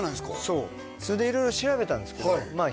そうそれで色々調べたんですけどまあ